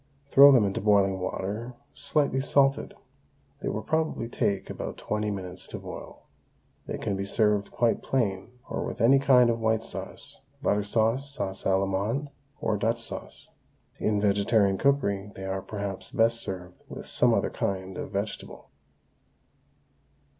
Throw them into boiling water slightly salted. They will probably take about twenty minutes to boil. They can be served quite plain or with any kind of white sauce, butter sauce, sauce Allemande, or Dutch sauce. In vegetarian cookery they are perhaps best served with some other kind of vegetable.